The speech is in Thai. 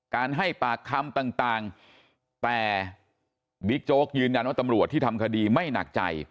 ให้ปากคำต่างแต่บิ๊กโจ๊กยืนยันว่าตำรวจที่ทำคดีไม่หนักใจ